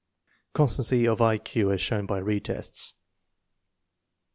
Constancy of I Q as shown by re tests.